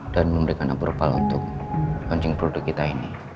dan memberikan abur abur pak al untuk launching produk kita ini